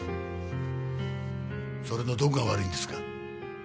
それのどこが悪いんですか？